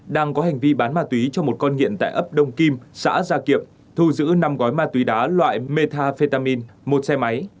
đang có hành vi bán ma túy cho một con nghiện tại ấp đông kim xã gia kiệm thu giữ năm gói ma túy đá loại metafetamin một xe máy